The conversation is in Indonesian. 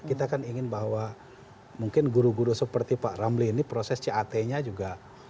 kita kan ingin bahwa mungkin guru guru seperti pak ramli ini proses cat nya juga